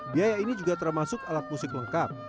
biaya ini juga termasuk alat musik lengkap